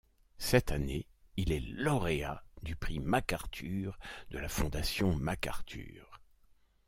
Cette année, il est lauréat du Prix MacArthur de la fondation MacArthur.